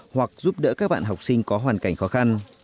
hoặc giúp đỡ các bạn học sinh có hoàn cảnh khó khăn